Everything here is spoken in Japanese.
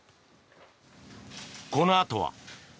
このあとは。